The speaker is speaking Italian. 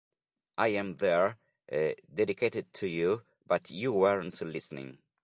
I Am There" e "Dedicated To You, But You Weren't Listening".